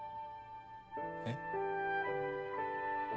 えっ？